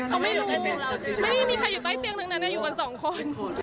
เขาไม่รู้ไม่มีใครอยู่ใต้เตียงทั้งนั้นอยู่กันสองคน